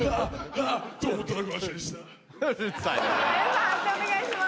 判定お願いします。